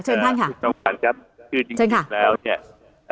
เชิญท่านค่ะสำคัญครับคือจริงจริงจริงแล้วเนี่ยอ่า